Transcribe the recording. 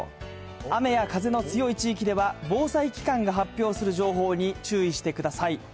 雨や風の強い地域では、防災機関が発表する情報に注意してください。